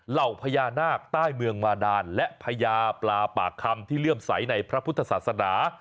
เหล่าพญานาคใต้เมืองมาดานและพญาปลาปากคำที่เลื่อมใสในพระพุทธศาสนา